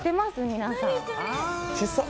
皆さん。